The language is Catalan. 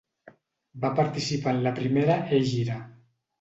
Va participar en la primera hègira.